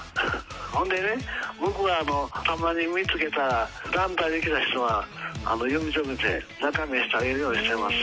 ほんでね、僕がたまに見つけた団体で来た人は呼び止めて、中見せてあげるようにしてます。